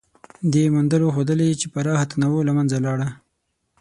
دې موندنو ښودلې، چې پراخه تنوع له منځه لاړه.